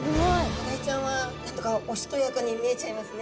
マダイちゃんは何だかおしとやかに見えちゃいますね。